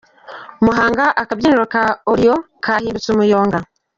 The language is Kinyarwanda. Muhanga : Akabyiniro ka Orion kahindutse umuyonga.